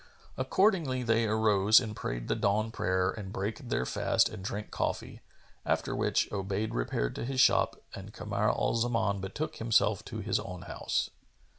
Accordingly they arose and prayed the dawn prayer and brake their fast and drank coffee, after which Obayd repaired to his shop and Kamar al Zaman betook himself to his own house.